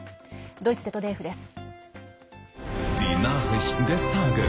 ドイツＺＤＦです。